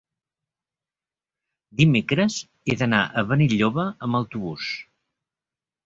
Dimecres he d'anar a Benilloba amb autobús.